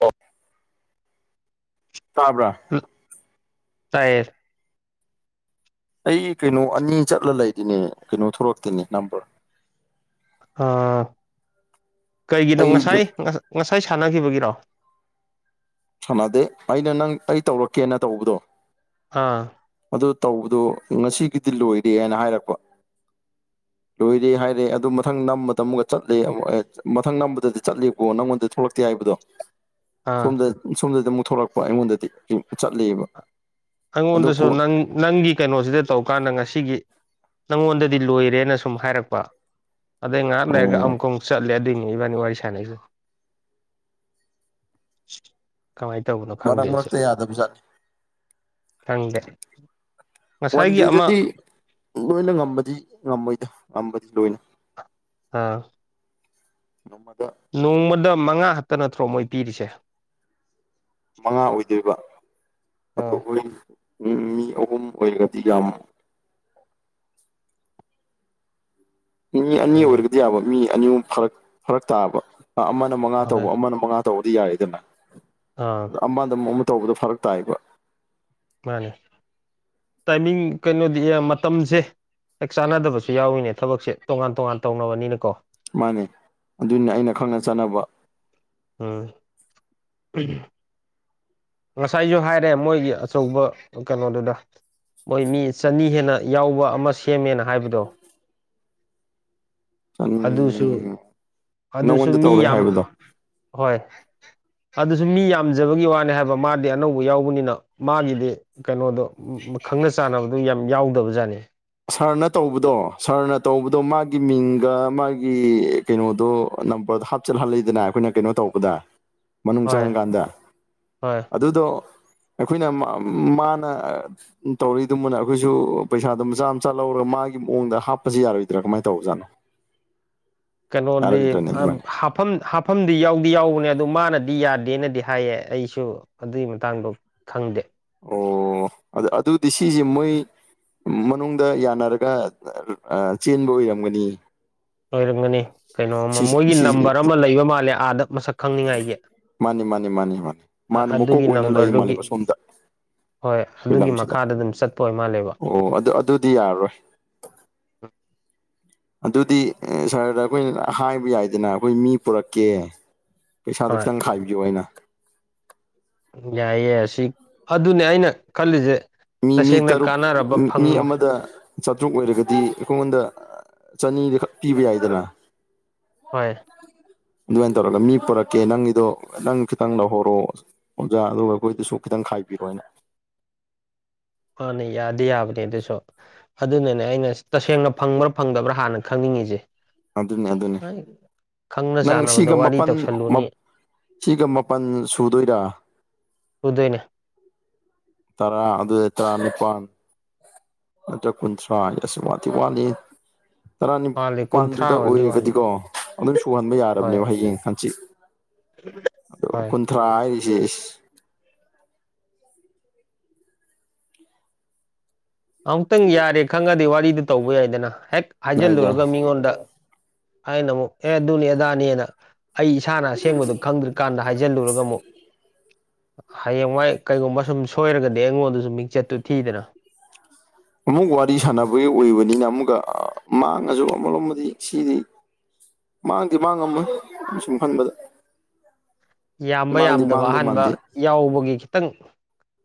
ꯑꯣ ꯇꯥꯕ꯭ꯔꯥ꯫ ꯇꯌꯦ꯫ ꯑꯩ ꯀꯩꯅꯣ ꯑꯅꯤ ꯆꯠꯂ ꯂꯩꯔꯤꯅꯦ ꯀꯩꯅꯣ ꯊꯣꯛꯣꯔꯛꯇꯦꯅꯦ ꯅꯝꯕꯔ꯫ ꯀꯩꯒꯤꯅꯣ ꯑꯩꯗꯨ ꯉꯁꯥꯏ ꯉꯁꯥꯏ ꯁꯥꯟꯅꯈꯤꯕꯒꯤꯔꯣ꯫ ꯁꯥꯟꯅꯗꯦ ꯑꯩꯅ ꯅꯪ ꯑꯩ ꯇꯧꯔꯛꯀꯦꯅ ꯇꯧꯕꯗꯣ꯫ ꯑꯥ꯫ ꯑꯗꯨ ꯇꯧꯕꯗꯨ ꯉꯁꯤꯒꯤꯗꯤ ꯂꯣꯏꯔꯦ ꯍꯥꯏꯅ ꯍꯥꯏꯔꯛꯄ꯫ [inaudible] ꯂꯣꯏꯔꯦ ꯍꯥꯏꯔꯦ ꯑꯗꯨ ꯃꯊꯪ ꯅꯝꯕꯗ ꯑꯃꯨꯛ ꯆꯠꯂꯦ ꯃꯊꯪ ꯅꯝꯕꯗꯗꯤ ꯆꯠꯂꯦꯀꯣ ꯅꯪꯉꯣꯟꯗ ꯊꯣꯛꯂꯛꯇꯦ ꯍꯥꯏꯕꯗꯣ꯫ [unintelligible] ꯁꯣꯝꯗ ꯁꯣꯝꯗꯗꯤ ꯑꯃꯨꯛ ꯊꯣꯛꯂꯛꯄ ꯑꯩꯉꯣꯟꯗꯗꯤ ꯆꯠꯂꯤꯕ꯫ ꯑꯩꯉꯣꯟꯗꯁꯨ ꯅꯪ ꯅꯪꯒꯤ ꯀꯩꯅꯣꯁꯤꯗ ꯇꯧꯀꯥꯟꯗ ꯉꯁꯤꯒꯤ ꯅꯪꯉꯣꯟꯗꯗꯤ ꯂꯣꯏꯔꯦꯅ ꯁꯨꯝ ꯍꯥꯏꯔꯛꯄ ꯑꯗꯩ ꯉꯥꯏꯍꯥꯛ ꯂꯩꯔꯒ ꯑꯣ ꯑꯃꯨꯛꯀ ꯑꯃꯨꯛ ꯆꯠꯂꯦ ꯑꯗꯨꯏꯅꯦ ꯏꯕꯥꯅꯤ ꯋꯥꯔꯤ ꯁꯥꯟꯅꯩꯁꯤ꯫ ꯀꯃꯥꯏꯅ ꯇꯧꯕꯅꯣ ꯈꯪꯗꯦ ꯑꯩꯁꯦ꯫ ꯑꯗꯨꯗ ꯄꯩꯁꯥ ꯈꯪꯗꯦ꯫ ꯋꯥꯟ ꯉꯁꯥꯏꯒꯤ ꯑꯃ ꯗꯦꯗꯗꯤ ꯂꯣꯏꯅ ꯉꯝꯕꯗꯤ ꯉꯝꯃꯣꯏꯗ ꯉꯝꯕꯗꯤ ꯂꯣꯏꯅ꯫ ꯑꯥ꯫ ꯅꯣꯡꯃꯗ꯫ ꯅꯣꯡꯃꯗ ꯃꯉꯥ ꯍꯛꯇ ꯅꯥꯠꯇꯔꯣ ꯃꯣꯏ ꯄꯤꯔꯤꯁꯦ꯫ ꯃꯉꯥ ꯑꯣꯏꯗꯣꯏꯕ ꯑꯗꯣ ꯑꯥ ꯑꯩꯈꯣꯏ ꯃꯤ ꯑꯍꯨꯝ ꯑꯣꯏꯔꯒꯗꯤ ꯌꯥꯝ ꯃꯤ ꯑꯅꯤ ꯎꯝ ꯑꯣꯏꯔꯒꯗꯤ ꯌꯥꯕ ꯃꯤ ꯑꯅꯤ ꯑꯍꯨꯝ ꯐꯔꯛ ꯐꯔꯛ ꯇꯥꯕ ꯑꯃꯅ ꯃꯉꯥ ꯍꯣꯏ ꯇꯧꯕ ꯑꯃꯅ ꯃꯉꯥ ꯇꯧꯕꯗꯤ ꯌꯥꯏꯌꯦꯗꯅ꯫ ꯑꯥ꯫ ꯑ ꯑꯃꯗ ꯑꯃꯨꯛ ꯑꯃ ꯇꯧꯕꯗ ꯐꯔꯛ ꯇꯥꯏꯕ꯫ ꯃꯥꯅꯦ ꯇꯥꯏꯃꯤꯡ ꯀꯩꯅꯣꯗꯤ ꯃꯇꯝꯁꯦ ꯍꯦꯛ ꯆꯥꯟꯅꯗꯕꯁꯨ ꯌꯥꯎꯏꯅꯦ ꯊꯕꯛꯁꯦ ꯇꯣꯉꯥꯟ ꯇꯣꯉꯥꯟ ꯇꯧꯅꯕꯅꯤꯅ ꯀꯣ꯫ ꯃꯥꯅꯦ ꯑꯗꯨꯅꯤ ꯑꯩꯅ ꯈꯪꯅ ꯆꯥꯟꯅꯕ [unintelligible] ꯉꯁꯥꯏꯁꯨ ꯍꯥꯏꯔꯦ ꯃꯣꯏꯒꯤ ꯑꯆꯧꯕ ꯀꯩꯅꯣꯗꯨꯗ꯫꯫ ꯃꯣꯏ ꯃꯤ ꯆꯅꯤ ꯍꯦꯟꯅ ꯌꯥꯎꯕ ꯑꯃ ꯁꯦꯝꯃꯦꯅ ꯍꯥꯏꯕꯗꯣ꯫ ꯑꯗꯨꯁꯨ ꯆꯅꯤ ꯑꯗꯨꯁꯨ ꯅꯉꯣꯟꯗ ꯃꯤ ꯇꯧꯔꯦ ꯌꯥꯝ ꯍꯥꯏꯕꯗꯣ ꯍꯣꯏ ꯑꯗꯨꯁꯨ ꯃꯤ ꯌꯥꯝꯖꯕꯒꯤ ꯋꯥꯅꯤ ꯍꯥꯏꯕ꯫ ꯃꯥꯗꯤ ꯑꯅꯧꯕ ꯌꯥꯎꯕꯅꯤꯅ ꯃꯥꯒꯤꯗꯤ꯫ ꯀꯩꯅꯣꯗꯣ ꯈꯪꯅ ꯆꯥꯟꯅꯕꯗꯨ ꯌꯥꯝ ꯌꯥꯎꯗꯕꯖꯥꯠꯅꯤ꯫ ꯁꯥꯔꯅ ꯇꯧꯕꯗꯣ ꯁꯥꯔꯅ ꯇꯧꯕꯗꯣ ꯃꯥꯒꯤ ꯃꯤꯡꯒ ꯃꯥꯒꯤ ꯀꯩꯅꯣꯗꯣ ꯅꯝꯕꯔꯗꯣ ꯍꯥꯞꯆꯜꯍꯜꯂꯤꯗꯅ ꯑꯩꯈꯣꯏꯅ ꯀꯩꯅꯣ ꯇꯧꯕꯗ꯫ [inaudible] ꯃꯅꯨꯡ ꯆꯪꯉꯀꯥꯟꯗ ꯍꯣꯏ ꯑꯗꯨꯗꯣ꯫ ꯑꯩꯈꯣꯏꯅ ꯃꯥꯅ ꯇꯧꯔꯤꯗꯨꯃꯅ ꯑꯩꯈꯣꯏꯁꯨ ꯄꯩꯁꯥꯗꯨꯝ ꯃꯆꯥ ꯃꯆꯥ ꯂꯧꯔꯒ ꯃꯥꯒꯤ ꯃꯑꯣꯡꯗ ꯍꯥꯞꯄꯁꯤ ꯌꯥꯔꯣꯏꯗ꯭ꯔꯥ ꯀꯃꯥꯏ ꯇꯧꯕꯖꯥꯠꯣ ꯀꯩꯅꯣꯗꯤ ꯑꯗꯨꯃꯥꯏꯅ ꯍꯥꯐꯝ ꯃꯐꯝꯗꯤ ꯌꯥꯎꯗꯤ ꯌꯥꯎꯕꯅꯦ ꯑꯗꯨ ꯃꯥꯅꯗꯤ ꯌꯥꯗꯦꯅꯗꯤ ꯍꯥꯏꯌꯦ ꯑꯩꯁꯨ ꯑꯗꯨꯒꯤ ꯃꯇꯥꯡꯗꯣ ꯈꯪꯗꯦ ꯑꯣ ꯑꯗꯨ ꯑꯗꯨꯗꯤ ꯁꯤꯁꯦ ꯃꯣꯏ ꯃꯅꯨꯡꯗ ꯌꯥꯅꯔꯒ ꯆꯦꯟꯕ ꯑꯣꯏꯔꯝꯒꯅꯤ ꯑꯣꯏꯣꯏꯔꯝꯒꯅꯤ ꯀꯩꯅꯣꯃ ꯁꯤ ꯃꯣꯏꯒꯤ ꯁꯤ ꯅꯝꯕꯔ ꯑꯃ ꯂꯩꯕ ꯃꯥꯜꯂꯦ ꯑꯥꯗ ꯃꯁꯛ ꯈꯪꯅꯤꯡꯉꯥꯏꯒꯤ ꯃꯥꯅꯤ ꯃꯥꯅꯤ ꯃꯥꯅꯤ ꯃꯥꯅꯤ ꯃꯥꯅ ꯃꯀꯣꯛ ꯑꯗꯨꯒꯤ ꯑꯣꯏꯅ ꯂꯩ ꯃꯥꯜꯂꯕ ꯅꯝꯕꯔꯗꯨꯒꯤ ꯁꯣꯝꯗ ꯍꯣꯏ ꯑꯩꯈꯣꯏ ꯑꯗꯨꯒꯤ ꯂꯝꯁꯤꯗ ꯃꯈꯥꯗ ꯑꯗꯨꯝ ꯆꯠꯄ ꯑꯣꯏ ꯃꯥꯜꯂꯦꯕ ꯑꯣ ꯑꯗꯨ ꯑꯗꯨꯗꯤ ꯌꯥꯔꯣꯏ ꯑꯗꯨꯗꯤ ꯁꯍꯔꯗ ꯑꯩꯈꯣꯏ ꯍꯥꯏꯕ ꯌꯥꯏꯗꯅ ꯑꯩꯈꯣꯏ ꯃꯤ ꯄꯨꯔꯛꯀꯦ ꯄꯩꯁꯥꯗꯨꯣ ꯍꯣꯏ ꯈꯤꯇꯪ ꯈꯥꯏꯕꯤꯌꯣ ꯑꯩꯅ ꯌꯥꯏꯌꯦꯦ ꯁꯤ ꯑꯗꯨꯅꯦ ꯑꯩꯅ ꯈꯜꯂꯤꯁꯦ ꯃꯤ ꯃꯤ ꯇꯁꯦꯡꯅ ꯇꯔꯨꯛ ꯀꯥꯟꯅꯔꯕ ꯃꯤ ꯐꯪꯕ ꯑꯃꯗ ꯆꯥꯇ꯭ꯔꯨꯛ ꯑꯣꯏꯔꯒꯗꯤ ꯑꯩꯈꯉꯣꯟꯗ ꯆꯅꯤꯗ ꯈꯛ ꯄꯤꯕ ꯌꯥꯏꯗꯅ ꯍꯣꯏ ꯑꯗꯨꯃꯥꯏꯅ ꯇꯧꯔꯒ ꯃꯤ ꯄꯨꯔꯛꯀꯦ ꯅꯪꯒꯤꯗꯣ ꯅꯪ ꯈꯤꯇꯪ ꯂꯧꯍꯧꯔꯣ ꯑꯣꯝꯖꯥ ꯑꯗꯨꯒ ꯑꯩꯈꯣꯏꯗꯁꯨ ꯈꯤꯇꯪ ꯈꯥꯏꯕꯤꯔꯣꯅꯦ ꯃꯥꯅꯦ ꯌꯥꯗꯤ ꯌꯥꯕꯅꯦ ꯑꯗꯨꯁꯨ ꯑꯗꯨꯅꯅꯦ ꯑꯩꯅ ꯇꯁꯦꯡꯅ ꯐꯪꯕ꯭ꯔꯥ ꯐꯪꯗꯕ꯭ꯔꯥ ꯍꯥꯟꯅ ꯈꯪꯅꯤꯡꯉꯤꯁꯦ ꯑꯗꯨꯅꯦ ꯑꯗꯨꯅꯦ ꯑꯩ ꯈꯪꯅ ꯅꯪ ꯆꯥꯟꯅꯕꯗ ꯁꯤꯒ ꯋꯥꯔꯤ ꯃꯥꯄꯜ ꯇꯧꯁꯜꯂꯨꯅꯤ ꯁꯤꯒ ꯃꯥꯄꯜ ꯁꯨꯗꯣꯏꯔꯥ ꯎꯗꯣꯏꯅ ꯇꯔꯥ ꯑꯗꯨ ꯑꯦ ꯇ꯭ꯔꯅꯤꯄꯥ ꯅꯠꯇ꯭ꯔꯒ ꯀꯨꯟꯊ꯭ꯔꯥ ꯍꯥꯏ ꯑꯁꯤꯁꯨ ꯋꯥꯗꯤꯤ ꯋꯥꯠꯂꯤ ꯋꯥꯠꯂꯤ ꯀꯨꯟꯊ꯭ꯔꯥ ꯇꯔꯥꯅꯤꯄꯥꯥꯟꯗꯨꯗ ꯑꯣꯏꯔꯗꯤ ꯋꯥꯠꯂꯤ ꯑꯣꯏꯔꯒꯗꯤꯀꯣ ꯑꯗꯨꯝ ꯁꯨꯍꯟꯕ ꯍꯣꯏ ꯌꯥꯔꯕꯅꯦꯕ ꯍꯌꯦꯡ ꯍꯪꯆꯤꯠ ꯍꯣꯏ ꯑꯣ ꯊ꯭ꯔꯥ ꯍꯥꯏꯔꯤꯁꯦꯁ ꯑꯃꯨꯛꯇꯪ ꯌꯥꯔꯦ ꯈꯪꯉꯗꯤ ꯋꯥꯔꯤꯗꯨ ꯇꯧꯕ ꯌꯥꯏꯗꯅ ꯍꯦꯛ ꯌꯥꯏ ꯌꯥꯏ ꯍꯥꯏꯖꯤꯜꯂꯨꯔꯒ ꯃꯤꯉꯣꯟꯗ ꯑꯩꯅ ꯑꯃꯨꯛ ꯑꯦ ꯑꯗꯨꯅꯤ ꯑꯗꯥꯅꯤꯅ ꯑꯩ ꯏꯁꯥꯅ ꯑꯁꯦꯡꯕꯗꯨꯣ ꯈꯪꯗ꯭ꯔꯤꯀꯥꯟꯗ ꯍꯥꯏꯖꯤꯜꯂꯨꯔꯒ ꯑꯃꯨꯛ ꯍꯌꯦꯡꯋꯥꯏ ꯀꯩꯒꯨꯝꯕ ꯁꯨꯝ ꯁꯣꯏꯔꯒꯗꯤ ꯑꯩꯉꯣꯟꯗꯁꯨ ꯃꯤꯡꯆꯠꯇꯨ ꯊꯤꯗꯅ ꯑꯃꯨꯛ ꯋꯥꯔꯤ ꯁꯥꯟꯅꯕꯒꯤ ꯑꯣꯏꯕꯅꯤꯅ ꯑꯃꯨꯛꯀ ꯃꯥꯡꯉꯁꯨ ꯑꯃꯨꯛ ꯂꯣꯝꯃꯗꯤ ꯁꯤꯗꯤ ꯃꯥꯡꯗꯤ ꯃꯥꯡꯉꯝꯃꯦ ꯑ ꯁꯨꯝ ꯈꯟꯕꯗ ꯌꯥꯝꯕ ꯃꯥꯡꯗꯤ ꯌꯥꯝꯗꯕ ꯃꯥꯡꯗꯧ ꯑꯍꯥꯟꯕ ꯃꯥꯟꯗꯦ ꯌꯥꯎꯕꯒꯤ ꯈꯤꯇꯪ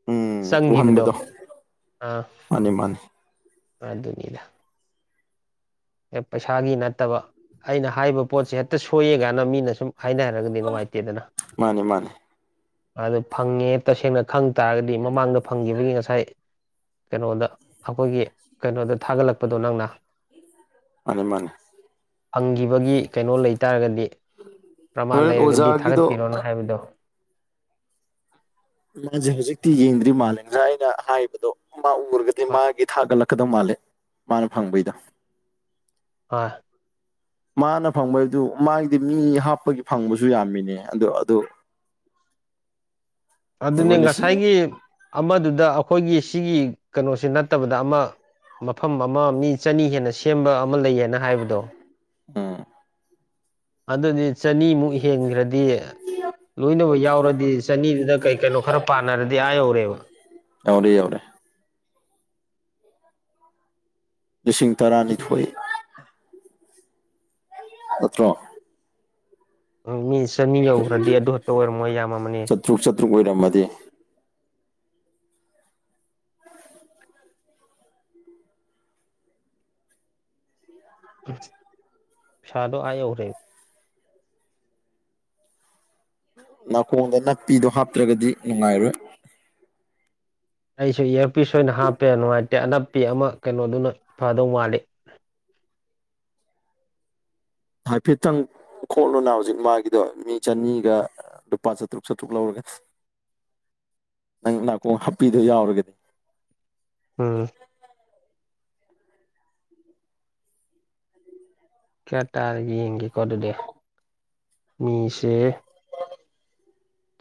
ꯎꯝ ꯆꯪꯈꯤꯕꯗꯣ ꯎꯍꯟꯕꯗꯣ ꯑꯥ ꯃꯥꯅꯤ ꯃꯥꯅꯤ ꯑꯗꯨꯅꯤꯗ ꯄꯩꯁꯥꯒꯤ ꯅꯠꯇꯕ ꯑꯩꯅ ꯍꯥꯏꯕ ꯄꯣꯠꯁꯦ ꯍꯦꯛꯇ ꯁꯣꯏꯌꯦ ꯀꯥꯏꯅ ꯃꯤꯅ ꯁꯨꯝ ꯍꯥꯏꯅ ꯍꯥꯏꯔꯒꯗꯤ ꯅꯨꯡꯉꯥꯏꯇꯦꯗꯅ ꯃꯥꯅꯤ ꯃꯥꯅꯤ ꯑꯗꯨ ꯐꯪꯉꯦ ꯇꯁꯦꯡꯅ ꯈꯪ ꯇꯥꯔꯒꯗꯤ ꯃꯃꯥꯡꯗ ꯐꯪꯈꯤꯕꯒꯤ ꯉꯁꯥꯏ ꯀꯩꯅꯣꯗ ꯑꯩꯈꯣꯏꯒꯤ ꯀꯩꯅꯣꯗ ꯊꯥꯒꯠꯂꯛꯄꯗꯣ ꯅꯪꯅ ꯃꯥꯅꯦ ꯃꯥꯅꯦ ꯐꯪꯈꯤꯕꯒꯤ ꯀꯩꯅꯣ ꯂꯩꯇꯥꯥꯔꯒꯗꯤ ꯄ꯭ꯔꯃꯥꯟ ꯍꯣꯔꯦꯟ ꯂꯩꯔꯒꯗꯤ ꯑꯣꯖꯥꯒꯤꯗꯣ ꯊꯥꯒꯠꯄꯤꯔꯣꯅ ꯍꯥꯏꯕꯗꯣ ꯃꯥꯁꯦ ꯍꯧꯖꯤꯛꯇꯤ ꯌꯦꯡꯗ꯭ꯔꯤ ꯃꯥꯂꯗꯥ ꯑꯩꯅ ꯍꯥꯏꯕꯗꯣ ꯃꯥ ꯎꯔꯒꯗꯤ ꯃꯥꯒꯤ ꯊꯥꯒꯠꯂꯛꯀꯗꯧ ꯃꯥꯜꯂꯦ ꯃꯥꯅ ꯐꯪꯕꯩꯗ ꯍ ꯃꯥꯅ ꯐꯪꯕꯩꯗꯨ ꯃꯥꯒꯤꯗꯤ ꯃꯤ ꯍꯥꯞꯄꯒꯤ ꯐꯪꯕꯁꯨ ꯌꯥꯝꯃꯤꯅꯦ ꯑꯗꯣ ꯑꯗꯨ ꯑꯗꯨꯅꯦ ꯑꯩꯈꯣꯏꯅ ꯁꯤ ꯉꯁꯥꯏꯒꯤ ꯑꯃꯗꯨꯗ ꯑꯩꯈꯣꯏꯒꯤ ꯁꯤꯒꯤ ꯀꯩꯅꯣꯁꯦ ꯅꯠꯇꯕꯗ ꯑꯃ ꯃꯐꯝ ꯑꯃ ꯃꯤ ꯆꯅꯤ ꯍꯦꯟꯅ ꯁꯦꯝꯕ ꯑꯃ ꯂꯩꯌꯦꯅ ꯍꯥꯏꯕꯗꯣ ꯎꯝ ꯑꯗꯨꯗꯤ ꯆꯅꯤꯃꯨꯛ ꯍꯦꯟꯈ꯭ꯔꯗꯤ ꯂꯣꯏꯅꯃꯛ ꯌꯥꯎꯔꯗꯤ ꯆꯅꯤꯗꯨꯗ ꯀꯩ ꯀꯩꯅꯣ ꯈꯔ ꯄꯥꯟꯅꯔꯗꯤ ꯑꯥ ꯌꯧꯔꯦꯕ ꯌꯥꯧꯔꯦ ꯌꯥꯧꯔꯦ ꯂꯤꯁꯤꯡ ꯇꯔꯥꯅꯤꯊꯣꯏ ꯑꯗꯨꯠꯇꯣ ꯎꯝ ꯃꯤ ꯆꯅꯤ ꯌꯧꯈ꯭ꯔꯗꯤ ꯑꯗꯨ ꯈꯛꯇ ꯑꯣꯏꯔꯝꯃꯣꯏ ꯌꯥꯝꯃꯅꯦ ꯇꯔꯨꯛ ꯆꯥꯇ꯭ꯔꯨꯛ ꯑꯣꯏꯔꯝꯃꯗꯤ ꯁꯥꯥꯗꯣ ꯑꯌꯦ ꯑꯣꯏꯔꯦ ꯅꯥꯀꯣꯡꯗ ꯅꯥꯄꯤꯗꯣ ꯍꯥꯞꯇ꯭ꯔꯒꯗꯤ ꯅꯨꯡꯉꯥꯏꯔꯣꯏ ꯑꯩꯁꯨ ꯏꯌꯥꯔꯄꯤꯤꯁ ꯑꯣꯏꯅ ꯍꯥꯞꯄꯦ ꯅꯨꯡꯉꯥꯏꯇꯦ ꯑꯅꯛꯞꯄꯤ ꯑꯃ ꯀꯩꯅꯣꯗꯨꯅꯐꯗꯧ ꯃꯥꯜꯂꯤ ꯍꯥꯏꯐꯦꯠꯇꯪ ꯈꯣꯠꯂꯨꯅ ꯍꯧꯖꯤꯛ ꯃꯥꯒꯤꯗꯣ ꯃꯤ ꯆꯅꯤꯒ ꯂꯨꯄꯥ ꯆꯥꯇ꯭ꯔꯨꯛ ꯆꯥꯇ꯭ꯔꯨꯛ ꯂꯧꯔꯒ ꯅꯪ ꯅꯥꯀꯣꯡ ꯍꯥꯞꯄꯤꯗꯨꯣ ꯌꯥꯎꯔꯒꯗꯤ ꯎꯝ ꯀꯌꯥ ꯇꯥꯔꯒꯦ ꯌꯦꯡꯒꯦꯀꯣ ꯑꯗꯨꯗꯤ ꯃꯤꯁꯦ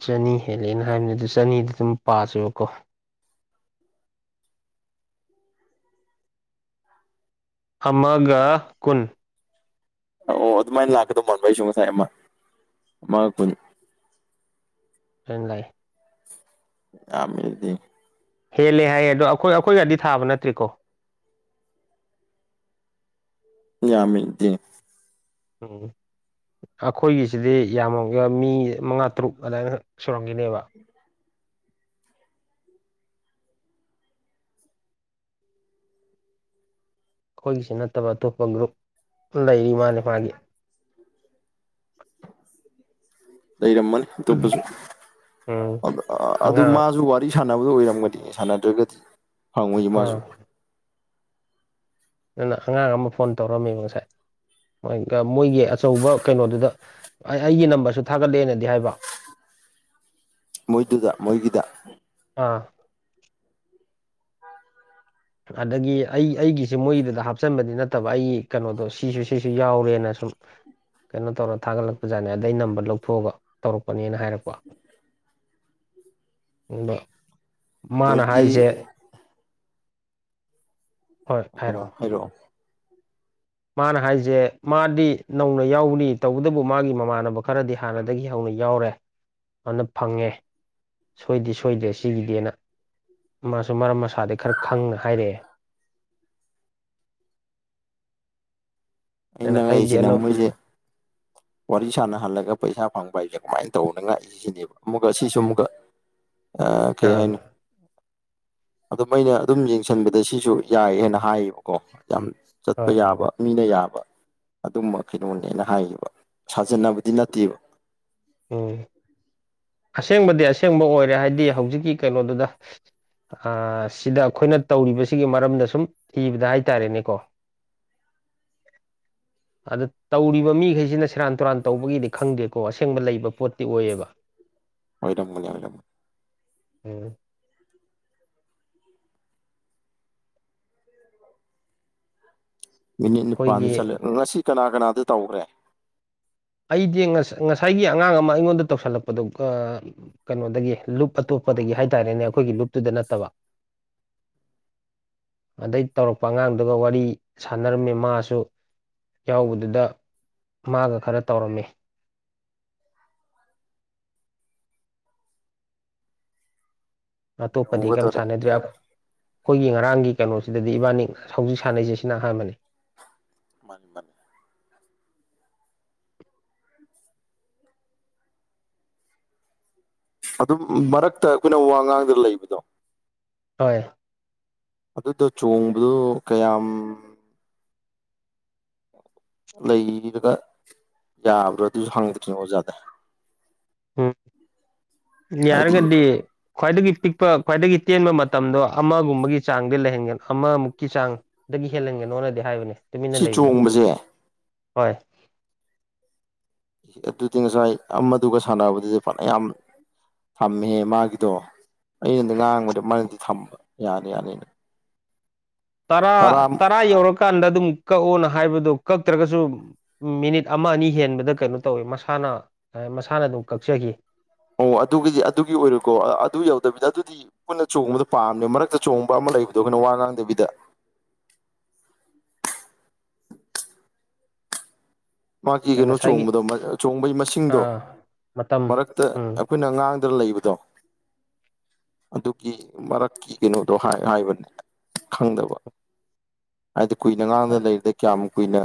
ꯆꯅꯤ ꯍꯦꯜꯂꯦꯅ ꯍꯥꯏꯕꯅꯤ ꯑꯗꯨ ꯆꯅꯤꯗ ꯑꯗꯨꯝ ꯄꯥꯁꯦꯕꯀꯣ ꯑꯃꯒ ꯀꯨꯟ ꯑꯣ ꯑꯣ ꯑꯗꯨꯃꯥꯏꯅ ꯂꯥꯛꯀꯗꯧ ꯃꯕ ꯑꯩꯁꯨ ꯉꯁꯥꯏ ꯑꯃ ꯑꯃꯉꯛꯄꯨꯅꯤ ꯑꯗꯨ ꯂꯩ ꯌꯥ ꯃꯗꯤ ꯍꯦꯜꯂꯦ ꯍꯥꯏꯌꯦ ꯑꯗꯣ ꯑꯩꯈꯣꯏ ꯑꯩꯈꯣꯏ ꯒꯥꯗꯤ ꯊꯥꯕ ꯅꯠꯇ꯭ꯔꯤꯀꯣ ꯌꯥꯃꯤꯗꯤ ꯎꯝ ꯑꯩꯈꯣꯏꯒꯤꯁꯤꯗꯤ ꯌꯥꯝꯃꯒ ꯃꯤ ꯃꯉꯥ ꯇꯔꯨꯛ ꯑꯗꯨꯃꯏꯅ ꯁꯨꯔꯝꯈꯤꯅꯦꯕ ꯑꯩꯈꯣꯏꯒꯤꯁꯤ ꯅꯠꯇꯕ ꯑꯇꯣꯞꯄ ꯒ꯭ꯔꯨꯞ ꯂꯩꯔꯤ ꯃꯥꯅꯤ ꯃꯥꯒꯤ ꯂꯩꯔꯝꯃꯅꯤ ꯑꯇꯣꯞꯄꯁꯨ ꯎꯝ ꯑꯗꯨ ꯑꯉꯥꯡ ꯃꯥꯁꯨ ꯋꯥ ꯋꯥꯔꯤ ꯁꯥꯟꯅꯕꯗꯨꯣ ꯑꯣꯏꯔꯝꯒꯅꯤ ꯁꯥꯟꯅꯗ꯭ꯔꯒꯗꯤ ꯐꯪꯉꯣꯏ ꯃꯥꯁꯨ ꯑꯥ ꯅꯅ ꯑꯉꯥꯡ ꯑꯃ ꯐꯣꯟ ꯇꯧꯔꯝꯃꯦꯕ ꯉꯁꯥꯏꯣꯏ ꯃꯣꯏꯒꯤ ꯑꯆꯧꯕ ꯀꯩꯅꯣꯗꯨꯗ ꯑꯩ ꯑꯩꯒꯤ ꯅꯝꯕꯔꯁꯨ ꯊꯥꯒꯠꯂꯦꯅꯗꯤ ꯍꯥꯏꯕ ꯃꯣꯏꯗꯨꯗ ꯃꯣꯏꯒꯤꯗ ꯑꯥ ꯑꯗꯒꯤ ꯑꯩ ꯑꯩꯒꯤꯁꯦ ꯃꯣꯏꯒꯤꯗꯨꯗ ꯍꯥꯞꯆꯤꯟꯕꯗꯤ ꯅꯠꯇꯕ ꯑꯩꯒꯤ ꯀꯩꯅꯣꯗꯣ ꯁꯤꯁꯨ ꯁꯤꯁꯨ ꯌꯥꯎꯔꯦꯅ ꯁꯨꯝ ꯀꯩꯅꯣ ꯇꯧꯔ ꯊꯥꯒꯠꯂꯛꯄꯖꯥꯠ ꯑꯗꯩ ꯅꯝꯕꯔ ꯂꯧꯊꯣꯛꯑꯒ ꯇꯧꯔꯛꯄꯅꯦꯅ ꯍꯥꯏꯔꯛꯄ ꯃꯥꯅ ꯃꯣꯏꯒꯤ ꯍꯥꯏꯔꯤꯁꯦ ꯍꯣꯏ ꯍꯥꯏꯔꯛꯑꯣ ꯍꯥꯏꯔꯣ ꯃꯥꯅ ꯍꯥꯏꯁꯦ ꯃꯥꯗꯤ ꯅꯧꯅ ꯌꯥꯎꯅꯤ ꯇꯧꯕꯇꯕꯨ ꯃꯥꯒꯤ ꯃꯃꯥꯟꯅꯕ ꯈꯔꯗꯤ ꯍꯥꯟꯅꯗꯒꯤ ꯍꯧꯅ ꯌꯥꯎꯔꯦ ꯑꯗꯨꯅ ꯐꯪꯉꯦ ꯁꯣꯏꯗꯤ ꯁꯣꯏꯗ꯭ꯔꯦ ꯁꯤꯒꯤꯗꯅ ꯃꯥꯁꯨ ꯃꯔꯝ ꯃꯁꯥꯗꯒꯤꯩ ꯈꯔ ꯈꯪꯅ ꯍꯥꯏꯔꯛꯑꯦ ꯑꯗꯨꯅ ꯑꯩꯗꯤ ꯑꯩꯅꯉꯛꯏꯁꯤꯅ ꯑꯅꯧ ꯃꯣꯏꯁꯦ [inaudible] ꯋꯥꯔꯤ ꯁꯥꯟꯅꯍꯜꯂꯒ ꯄꯩꯁꯥ ꯐꯪꯕ ꯍꯥꯏꯁꯦ ꯀꯃꯥꯏꯅ ꯇꯧꯕꯅꯉꯥꯏꯁꯤꯅꯦꯕ ꯑꯃꯨꯛꯀ ꯁꯤꯁꯨ ꯑꯃꯨꯛꯀ [inaudible] ꯑ ꯀꯩ ꯑꯥ ꯍꯥꯏꯅ ꯑꯗꯨꯝ ꯑꯩꯅ ꯑꯗꯨꯝ ꯌꯦꯡꯁꯤꯟꯕꯗ ꯁꯤꯁꯨ ꯌꯥꯏ ꯍꯥꯏꯅ ꯍꯥꯏꯌꯦꯕꯀꯣ ꯌꯥꯝ ꯆꯠꯄ ꯍꯣꯏ ꯌꯥꯕ ꯃꯤꯅ ꯌꯥꯕ ꯑꯗꯨꯝꯕ ꯀꯩꯅꯣꯅꯦ ꯑꯩꯅ ꯍꯥꯏꯌꯦꯈꯤꯕ ꯁꯥꯖꯟꯅꯕꯗꯤ ꯅꯠꯇꯦꯕ ꯎꯝ ꯑꯁꯦꯡꯕꯗꯤ ꯑꯁꯦꯡꯕ ꯑꯣꯏꯔꯦ ꯍꯥꯏꯗꯤ ꯍꯧꯖꯤꯛꯀꯤ ꯀꯩꯅꯣꯗꯨꯗ ꯁꯤꯗ ꯑꯩꯈꯣꯏꯅ ꯇꯧꯔꯤꯕꯁꯤꯒꯤ ꯃꯔꯝꯗ ꯁꯨꯝ ꯏꯕꯗ ꯍꯥꯏꯇꯥꯔꯦꯅꯦꯀꯣ [inaudible] ꯑꯗꯨ ꯇꯧꯔꯤꯕ ꯃꯤꯈꯩꯁꯤꯅ ꯁꯦꯔꯥꯟ ꯇꯨꯔꯥꯟ ꯇꯧꯕꯒꯤꯗꯤ ꯈꯪꯗꯦꯀꯣ ꯑꯁꯦꯡꯕ ꯂꯩꯕ ꯄꯣꯠꯇꯤ ꯑꯣꯏꯌꯦꯕ ꯑꯣꯏꯔꯝꯒꯅꯤ ꯑꯣꯏꯔꯝ ꯎꯝ [inaudible] ꯃꯤꯅꯤꯠ ꯅꯤꯄꯥꯟꯗꯤ ꯑꯩꯈꯣꯏꯒꯤ ꯆꯠꯂꯦ ꯉꯁꯤ ꯀꯅꯥ ꯀꯅꯥꯗꯤ ꯇꯧꯈ꯭ꯔꯦ ꯑꯩꯗꯤ ꯉꯁꯥꯏꯒꯤ ꯑꯉꯥꯡ ꯑꯃ ꯑꯩꯉꯣꯟꯗ ꯇꯧꯁꯜꯂꯛꯄꯗꯨꯒ ꯀꯩꯅꯣꯗꯒꯤ ꯂꯨꯞ ꯑꯇꯣꯞꯄꯗꯒꯤ ꯍꯥꯏ ꯇꯔꯦꯅꯦ ꯑꯩꯈꯣꯏꯒꯤ ꯂꯨꯞꯇꯨꯗ ꯅꯠꯇꯕ ꯑꯗꯩ ꯇꯧꯔꯛꯄ ꯑꯉꯥꯡꯗꯨꯒ ꯋꯥꯔꯤ ꯁꯥꯟꯅꯔꯝꯃꯦ ꯃꯥꯁꯨ ꯌꯥꯎꯕꯗꯨꯗ ꯃꯥꯒ ꯈꯔ ꯇꯧꯔꯝꯃꯦ ꯑꯇꯣꯞꯄꯗꯤ ꯀꯩꯝ ꯌꯧꯒꯗꯧꯔꯦ ꯁꯥꯟꯅꯗ꯭ꯔꯤ ꯑꯩꯈꯣꯏꯒꯤ ꯉꯔꯥꯡꯒꯤ ꯀꯩꯅꯣꯁꯤꯗꯗꯤ ꯏꯕꯥꯅꯤ ꯍꯧꯖꯤꯛ ꯁꯥꯟꯅꯩꯁꯦ ꯁꯤꯅ ꯑꯍꯥꯟꯕꯅꯤ ꯃꯥꯅꯤ ꯃꯥꯅꯤ ꯑꯗꯨꯝ ꯃꯔꯛꯇ ꯑꯩꯈꯣꯏꯅ ꯋꯥ ꯉꯥꯡꯗꯅ ꯂꯩꯕꯗꯣ ꯍꯣꯏ ꯑꯗꯨꯗꯨ ꯆꯣꯡꯕꯗꯨ ꯀꯌꯥꯝ ꯂꯩꯔꯒ ꯌꯥꯕ꯭ꯔꯣ ꯑꯗꯨꯁꯨ ꯍꯪ [unintelligible] ꯑꯣꯖꯥꯗ ꯎꯝ ꯍꯥꯏꯗꯤ ꯌꯥꯔꯒꯗꯤ ꯈ꯭ꯋꯥꯏꯗꯒꯤ ꯄꯤꯛꯄ ꯈ꯭ꯋꯥꯏꯗꯒꯤ ꯇꯦꯟꯕ ꯃꯇꯝꯗꯣ ꯑꯃꯒꯨꯝꯕꯒꯤ ꯆꯥꯡꯗꯤ ꯂꯩꯍꯟꯒꯅ ꯑꯃꯃꯨꯛꯀꯤ ꯆꯥꯡ ꯗꯒꯤ ꯍꯦꯜꯍꯟꯒꯅꯣꯅꯗꯤ ꯍꯥꯏꯕꯅꯦ ꯇꯨꯃꯤꯟꯅ ꯁꯤ ꯂꯩꯕꯗꯣ ꯆꯣꯡꯕꯁꯦ ꯍꯣꯏ ꯑꯦ ꯑꯗꯨꯗꯤ ꯉꯁꯥꯏ ꯑꯃꯗꯨꯒ ꯁꯥꯟꯅꯕꯗꯨꯗꯤ ꯐꯅꯌꯥꯝ ꯊꯝꯃꯦꯍꯦ ꯃꯥꯒꯤꯗꯣ ꯑꯩꯅꯗꯤ ꯉꯥꯡꯕꯗ ꯃꯥꯅꯗꯤ ꯊꯝꯕ ꯌꯥꯅꯤ ꯌꯥꯅꯤꯅ [inaudible] ꯇꯔꯥ ꯇꯔꯥ ꯌꯧꯔꯀꯥꯟꯗ ꯑꯗꯨꯝ ꯀꯛꯑꯣꯅ ꯍꯥꯏꯕꯗꯣ ꯀꯛꯇ꯭ꯔꯒꯁꯨ ꯎꯝ ꯃꯤꯅꯤꯠ ꯑꯃ ꯑꯅꯤ ꯍꯦꯟꯕꯗ ꯀꯩꯅꯣ ꯇꯧꯋꯤ ꯃꯁꯥꯅ ꯃꯁꯥꯅ ꯑꯗꯨꯝ ꯀꯛꯆꯈꯤ ꯑꯣ ꯑꯗꯨꯒꯤꯗꯤ ꯑꯗꯨꯒꯤ ꯑꯣꯏꯔꯣꯏꯀꯣ ꯑꯗꯨ ꯌꯧꯗꯕꯤꯗ ꯑꯗꯨꯗꯤ ꯄꯨꯟꯅ ꯆꯣꯡꯕꯗꯣ ꯄꯥꯝꯃꯦ ꯃꯔꯛꯇ ꯆꯣꯡꯕ ꯑꯃ ꯂꯩꯕꯗꯣ ꯑꯩꯈꯣꯏꯅ ꯋꯥ ꯉꯥꯡꯗꯕꯤꯗ ꯃꯥꯒꯤ ꯀꯩꯅꯣ ꯉꯁꯥꯏꯒꯤ ꯆꯣꯡꯕꯗꯣ ꯆꯣꯡꯕꯩ ꯑ ꯃꯁꯤꯡꯗꯣ ꯃꯇꯝ ꯃꯔꯛꯇ ꯎꯝ ꯑꯩꯈꯣꯏꯅ ꯉꯥꯡꯗꯅ ꯂꯩꯕꯗꯣ ꯑꯗꯨꯒꯤ ꯃꯔꯛꯀꯤ ꯀꯩꯅꯣꯗꯣ ꯍꯥꯏ ꯍꯥꯏꯕꯅꯦ ꯈꯪꯗꯕ ꯍꯥꯏꯗꯤ ꯀꯨꯏꯅ ꯉꯥꯡꯗꯅ ꯂꯩꯔꯤꯗ ꯀꯌꯥꯝ ꯀꯨꯏꯅ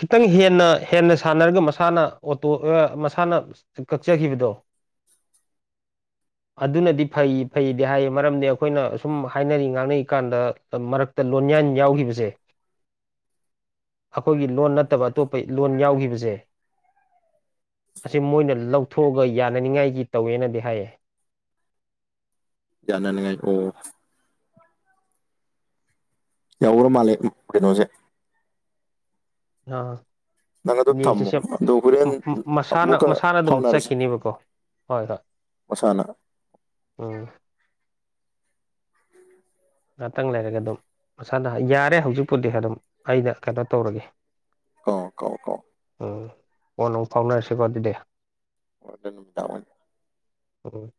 ꯈꯤꯇꯪ ꯍꯦꯟꯅ ꯍꯦꯟꯅ ꯁꯥꯟꯅꯔꯒ ꯃꯁꯥꯅ ꯑꯣꯇꯣ ꯃꯁꯥꯅ ꯀꯛꯆꯈꯤꯕꯗꯣ [inaudible] ꯑꯗꯨꯅꯗꯤ ꯐꯩ ꯐꯩꯗꯤ ꯍꯥꯏꯌꯦ ꯃꯔꯝꯗꯤ ꯑꯩꯈꯣꯏꯅ ꯑꯁꯨꯝ ꯍꯥꯏꯅꯔꯤ ꯉꯥꯡꯅꯔꯤꯀꯥꯟꯗ ꯃꯔꯛ ꯇ ꯂꯣꯟꯌꯥꯟ ꯌꯥꯎꯈꯤꯕꯁꯦ ꯑꯩꯈꯣꯏꯒꯤ ꯂꯣꯟ ꯅꯠꯇꯕ ꯑꯇꯣꯞꯄ ꯂꯣꯟ ꯌꯥꯎꯈꯤꯕꯁꯦ ꯑꯁꯤ ꯃꯣꯏꯅ ꯂꯧꯊꯣꯛꯑꯒ ꯌꯥꯅꯅꯤꯡꯉꯥꯏꯒꯤ ꯇꯧꯋꯦꯅꯗꯤ ꯍꯥꯏꯌꯦ ꯌꯥꯅꯅꯤꯡꯉꯥꯏ ꯑꯣ ꯌꯧꯔ ꯃꯥꯜꯂꯦ ꯀꯩꯅꯣꯁꯦ ꯑꯥ ꯅꯪ ꯑꯗꯨꯝ ꯊꯝꯃꯣ ꯌꯦꯡꯁꯤꯁꯦ ꯑꯗꯣ ꯍꯣꯔꯦꯟ ꯃꯁꯥꯅ ꯑꯃꯨꯛꯀ ꯃꯁꯥꯅ ꯑꯗꯨꯝ ꯆꯠꯈꯤꯅꯦꯕꯀꯣ ꯍꯣꯏ ꯍꯣꯏ ꯃꯁꯥꯥꯅ ꯎꯝ ꯉꯍꯥꯛꯇꯪ ꯂꯩꯔꯒ ꯑꯗꯨꯝ ꯃꯁꯥꯅ ꯌꯥꯔꯦ ꯍꯧꯖꯤꯛꯄꯨꯗꯤ ꯑꯗꯨꯝ ꯑꯩꯩꯅ ꯀꯩꯅꯣ ꯇꯧꯔꯒꯦ ꯀꯑꯣ ꯀꯑꯣ ꯀꯑꯣ ꯎꯝ ꯀꯣꯟꯅ ꯐꯥꯎꯅꯔꯁꯤꯀꯣ ꯑꯗꯨꯗꯤ ꯍꯣꯔꯦꯟ ꯅꯨꯃꯤꯗꯥꯡ ꯎꯝ